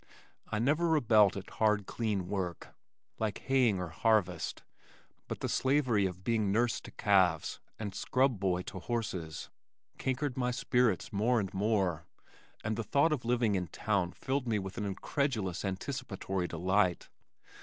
I never rebelled at hard, clean work, like haying or harvest, but the slavery of being nurse to calves and scrub boy to horses cankered my spirits more and more, and the thought of living in town filled me with an incredulous anticipatory delight.